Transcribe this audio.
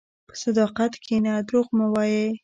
په صداقت کښېنه، دروغ مه وایې.